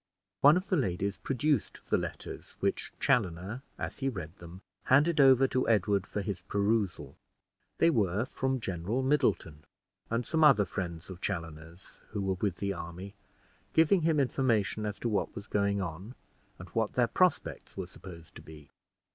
One of the ladies produced the letters, which Chaloner, as he read them, handed over to Edward for his perusal. They were from General Middleton, and some other friends of Chaloner's who were with the army, giving him information as to what was going on, and what their prospects were supposed to be.